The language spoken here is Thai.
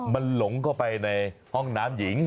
มันหลงเข้าไปในห้องน้ำหญิง